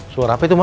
suara apa itu ma